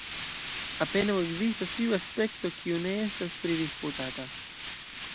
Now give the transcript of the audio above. Apenaŭ ekzistas iu aspekto, kiu ne estas pridisputata.